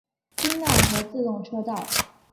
京奈和自动车道。